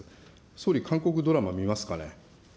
総理、韓国ドラマ、見ますかね。